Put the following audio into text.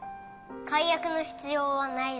解約の必要はないぞよ。